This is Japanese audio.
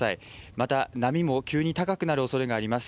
また波も急に高くなるおそれがあります。